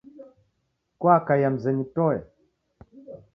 Kuakaiya mzenyu toe?